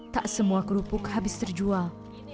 tak semua kerupuk habis terjual